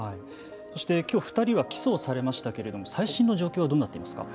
そしてきょう２人は起訴されましたけれども最新の状況はどうなっていますか。